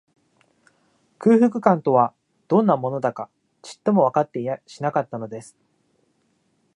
空腹感とは、どんなものだか、ちっともわかっていやしなかったのです